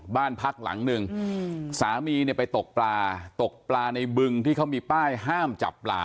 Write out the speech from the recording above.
บ้านพักหลังหนึ่งสามีเนี่ยไปตกปลาตกปลาในบึงที่เขามีป้ายห้ามจับปลา